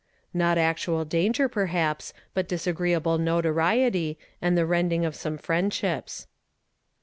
" Not actual danger, perhaps, but disagreeable notoriety , and the rending of some friendships."